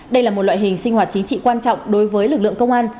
đây là một loại hình sinh hoạt chính trị quan trọng đối với lực lượng công an